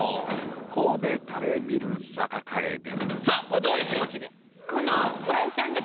これどういう気持ちで？